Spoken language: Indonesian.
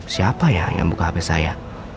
siapa ya yang buka hp saya